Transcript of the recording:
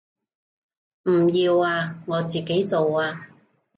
唔要啊，我自己做啊